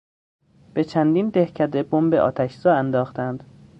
به چندین دهکده بمب آتشزا انداختند.